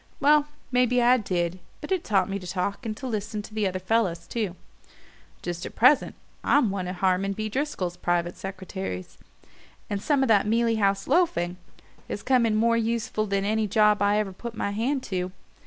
Well, maybe I did but it taught me to talk, and to listen to the other fellows too. Just at present I'm one of Harmon B. Driscoll's private secretaries, and some of that Mealey House loafing has come in more useful than any job I ever put my hand to.